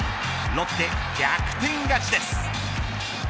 ロッテ、逆転勝ちです。